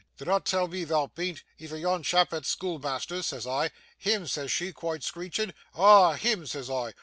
Dinnot tell me thou bean't, efther yon chap at schoolmeasther's," says I. "Him!" says she, quite screeching. "Ah! him!" says I.